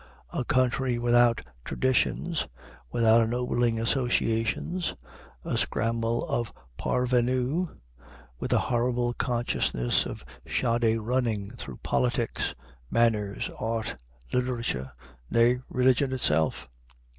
A country without traditions, without ennobling associations, a scramble of parvenus, with a horrible consciousness of shoddy running through politics, manners, art, literature, nay, religion itself?